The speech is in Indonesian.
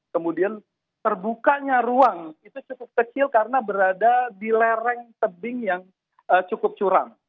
kemudian terbukanya ruang itu cukup kecil karena berada di lereng tebing yang cukup curam